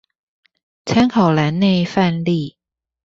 參考欄內範例